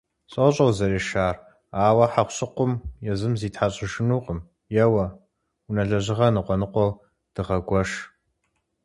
Сощӏэ узэрешар, ауэ хьэкъущыкъум езым зитхьэщӏыжынукъым. Еуэ, унэ лэжьыгъэр ныкъуэ ныкъуэу дыгъэгуэш.